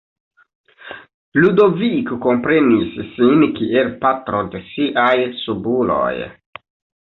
Ludoviko komprenis sin kiel "patro de siaj subuloj".